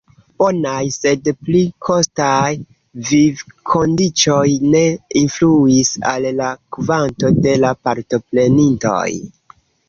Bonaj, sed pli kostaj, vivkondiĉoj ne influis al la kvanto de la partoprenintoj.